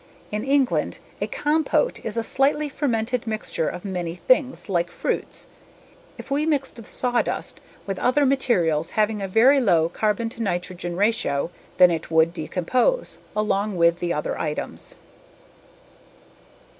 In England, a compot is a slightly fermented mixture of many things like fruits. If we mixed the sawdust with other materials having a very low C/N, then it would decompose, along with the other items.